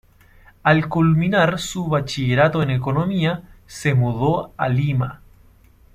Al culminar su bachillerato en economía, se mudó a Lima.